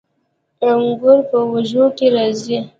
انګور په وږو کې راځي